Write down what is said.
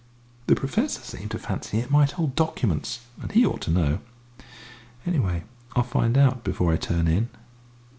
The Professor seemed to fancy it might hold documents, and he ought to know. Anyway, I'll find out before I turn in."